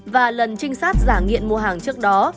và lần trinh sát giả nghiện mua hàng trước đó